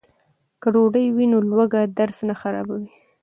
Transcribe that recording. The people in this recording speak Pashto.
که ډوډۍ وي نو لوږه درس نه خرابوي.